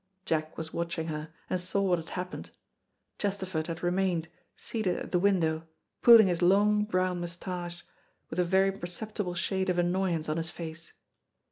Jack was watching her, and saw what had happened. Chesterford had remained, seated at the window, pulling his long, brown moustache, with a very perceptible shade of annoyance on his face.